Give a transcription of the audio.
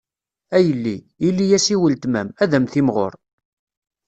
A yelli, ili-as i weltma-m, ad am-timɣur.